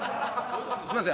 すいません